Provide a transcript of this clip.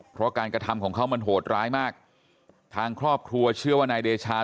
เพราะการกระทำของเขามันโหดร้ายมากทางครอบครัวเชื่อว่านายเดชา